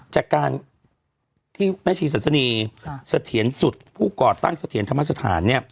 จากการที่แม่ชีสันสนีเสถียรสุดผู้ก่อตั้งเสถียรธรรมสถานเนี่ย